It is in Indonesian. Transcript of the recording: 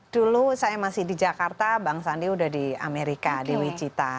dulu saya masih di jakarta bang sandi udah di amerika di wicita